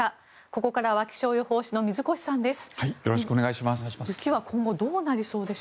ここからは気象予報士の水越さんです。